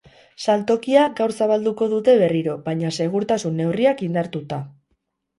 Saltokia gaur zabalduko dute berriro, baina segurtasun-neurriak indartuta.